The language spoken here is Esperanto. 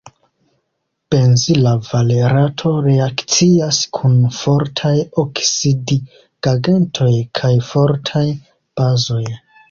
Benzila valerato reakcias kun fortaj oksidigagentoj kaj fortaj bazoj.